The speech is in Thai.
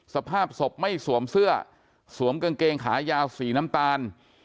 สภาพศพไม่สวมเสื้อสวมกางเกงขายาวสีน้ำตาล